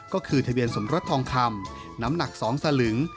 ก็คือทะเบียนสมรสทองคำน้ำหนัก๒สลึง